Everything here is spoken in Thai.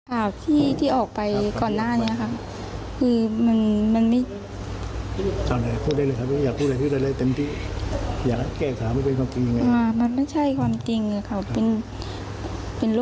แล้วเราก็ไม่มีฆาตกรรมอะไรขึ้น